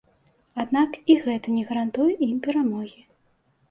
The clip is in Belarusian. Аднак і гэта не гарантуе ім перамогі.